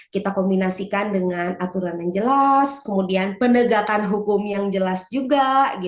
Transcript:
kita kombinasikan dengan aturan yang jelas kemudian penegakan hukum yang jelas juga